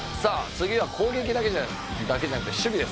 次は攻撃だけじゃなくて守備ですね。